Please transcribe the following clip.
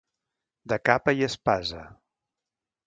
De capa i espasa.